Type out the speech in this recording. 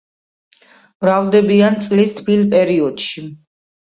მრავლდებიან წლის თბილ პერიოდში.